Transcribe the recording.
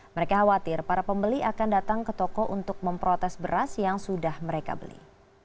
mereka khawatir para pembeli akan datang ke toko untuk memprotes beras yang sudah mereka beli